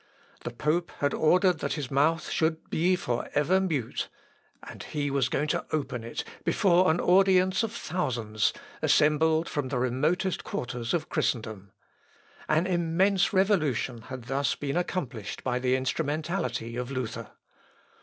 The pope had ordered that his mouth should be for ever mute, and he was going to open it before an audience of thousands, assembled from the remotest quarters of Christendom. An immense revolution had thus been accomplished by the instrumentality of Luther.